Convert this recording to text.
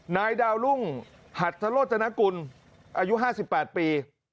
นายดาวรุ่งหัตโรจนกุลอายุ๕๘ปี